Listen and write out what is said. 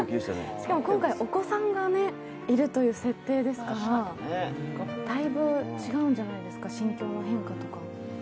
しかも今回お子さんがいるという設定ですからだいぶ違うんじゃないですか、心境の変化とか。